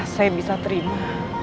saya bisa terima